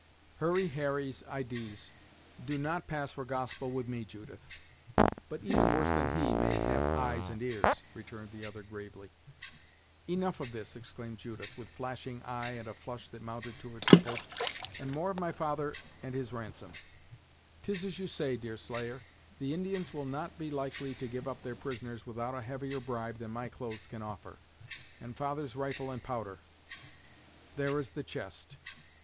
"Hurry Harry's idees do not pass for gospel with me, Judith; but even worse than he may have eyes and ears," returned the other gravely. "Enough of this!" exclaimed Judith, with flashing eye and a flush that mounted to her temples, "and more of my father and his ransom. 'Tis as you say, Deerslayer; the Indians will not be likely to give up their prisoners without a heavier bribe than my clothes can offer, and father's rifle and powder. There is the chest."